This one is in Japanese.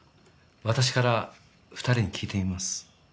私から２人に聞いてみます。